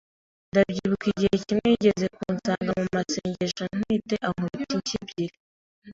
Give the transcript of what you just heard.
Ndabyibuka igihe kimwe yigeze kunsanga mu masengesho ntwite ankubita inshyi ebyiri